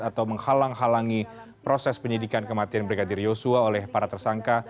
atau menghalang halangi proses penyidikan kematian brigadir yosua oleh para tersangka